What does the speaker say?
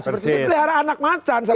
seperti ini pelihara anak macan